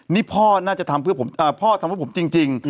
นี่พ่อน่าจะทำเพื่อผมเพราะพ่อทำเพราะผมจริง